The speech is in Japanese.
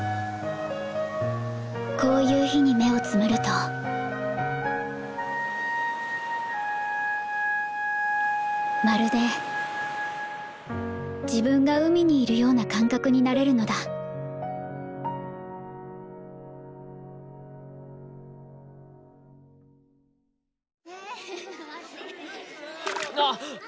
こういう日に目をつむるとまるで自分が海にいるような感覚になれるのだあっ！